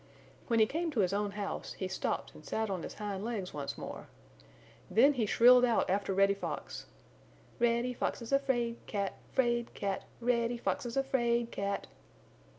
When he came to his own house he stopped and sat on his hind legs once more. Then he shrilled out after Reddy Fox: "Reddy Fox is a 'fraid cat, 'fraid cat! Reddy Fox is a 'fraid cat!"